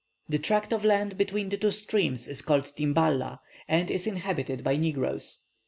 The tract of land between the two streams is called Timbala, and is inhabited by negroes.